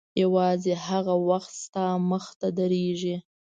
یوازې هغه وخت ستا مخته درېږي.